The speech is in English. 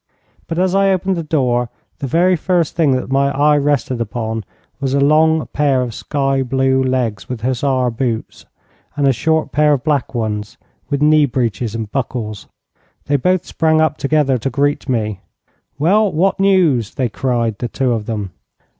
But as I opened the door, the very first thing that my eye rested upon was a long pair of sky blue legs with hussar boots, and a short pair of black ones with knee breeches and buckles. They both sprang up together to greet me. 'Well, what news?' they cried, the two of them.